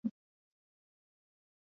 Kutokana na uhaba hakuna matumizi mengi.